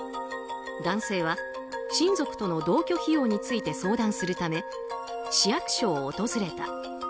男性は、親族との同居費用について相談するため市役所を訪れた。